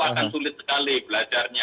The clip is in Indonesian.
akan sulit sekali belajarnya